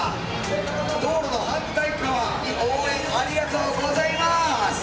道路の反対側に応援ありがとうございます！」。